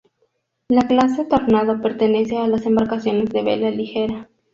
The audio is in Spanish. La clase Tornado pertenece a las embarcaciones de vela ligera.